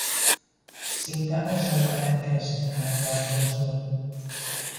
Szinte azonnal elkezd táplálkozni.